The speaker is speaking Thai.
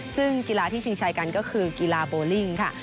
ซึ่งกีฬาที่ชิงชัยกันก็คือกีฬาโบลิ่งค่ะ